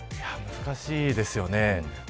難しいですよね。